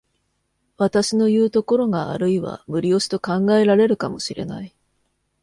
私のいう所があるいは無理押しと考えられるかも知れない。